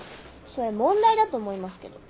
それ問題だと思いますけど。